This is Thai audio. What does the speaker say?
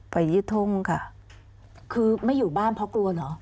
ยืดทงค่ะคือไม่อยู่บ้านเพราะกลัวเหรอ